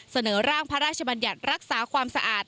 เสนอร่างพระราชบัญญัติรักษาความสะอาด